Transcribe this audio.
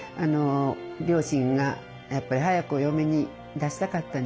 両親がやっぱり早くお嫁に出したかったんじゃないですか。